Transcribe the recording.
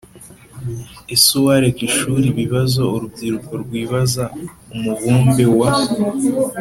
Ese uwareka ishuri Ibibazo urubyiruko rwibaza Umubumbe wa